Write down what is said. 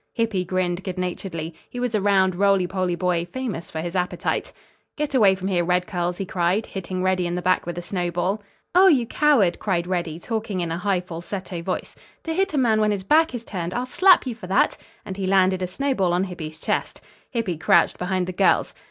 Hippy grinned good naturedly. He was a round roly poly boy, famous for his appetite. "Get away from here, Red Curls," he cried, hitting Reddy in the back with a snowball. "Oh, you coward," cried Reddy, talking in a high falsetto voice, "to hit a man when his back is turned. I'll slap you for that," and he landed a snowball on Hippy's chest. Hippy crouched behind the girls.